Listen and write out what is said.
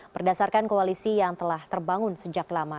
berdasarkan koalisi yang telah terbangun sejak lama